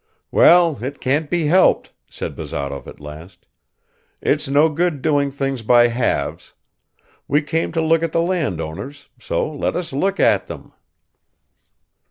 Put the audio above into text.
"Well, it can't be helped," said Bazarov at last. "It's no good doing things by halves. We came to look at the landowners, so let us look at them!"